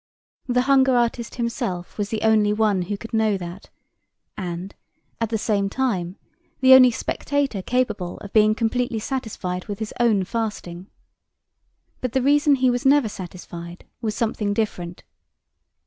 The hunger artist himself was the only one who could know that and, at the same time, the only spectator capable of being completely satisfied with his own fasting. But the reason he was never satisfied was something different.